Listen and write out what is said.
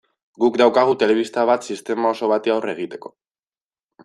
Guk daukagu telebista bat sistema oso bati aurre egiteko.